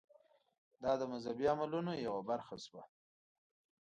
دا د مذهبي عملونو یوه برخه شوه.